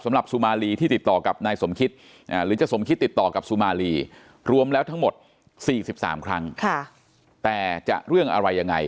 สุมารีที่ติดต่อกับนายสมคิดหรือจะสมคิดติดต่อกับสุมารีรวมแล้วทั้งหมด๔๓ครั้งแต่จะเรื่องอะไรยังไง